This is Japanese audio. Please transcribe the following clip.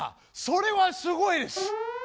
それはすごいです！